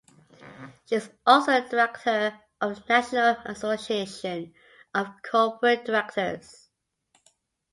She is also a director of the National Association of Corporate Directors.